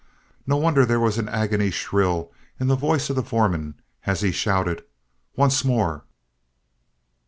No wonder there was an agony shrill in the voice of the foreman as he shouted: "Once more!"